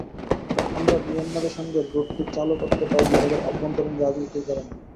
আমরা মিয়ানমারের সঙ্গে রুটটি চালু করতে পারিনি তাদের অভ্যন্তরীণ রাজনীতির কারণে।